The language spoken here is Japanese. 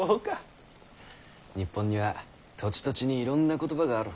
日本には土地土地にいろんな言葉がある。